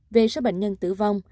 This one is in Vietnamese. về số bệnh nhân tử vong